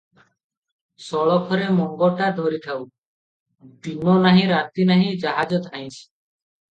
ସଳଖରେ ମଙ୍ଗଟା ଧରିଥାଉଁ, ଦିନ ନାହିଁ, ରାତି ନାହିଁ, ଜାହାଜ ଧାଇଁଛି ।